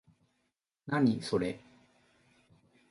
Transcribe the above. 何、それ？